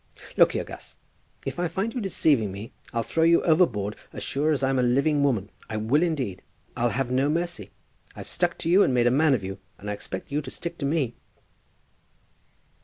"Look here, Gus, if I find you deceiving me I'll throw you overboard as sure as I'm a living woman. I will indeed. I'll have no mercy. I've stuck to you, and made a man of you, and I expect you to stick to me."